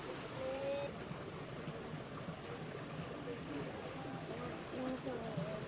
พวกเขาถ่ายมันตรงกลาง